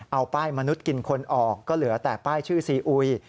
เอาป้ายมนุษย์กินคนออกก็เหลือแต่ป้ายชื่อซีอุย